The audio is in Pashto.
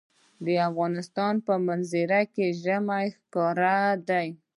د افغانستان په منظره کې ژمی ښکاره ده.